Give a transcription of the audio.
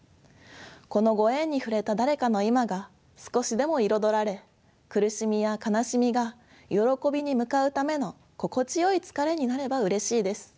このご縁に触れた誰かの今が少しでも彩られ苦しみや悲しみが「よろこび」に向かうための「心地よい疲れ」になればうれしいです。